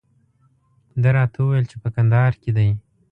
ده راته وویل چې په کندهار کې دی.